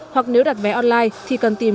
hoặc nếu đặt vé online thì cần tìm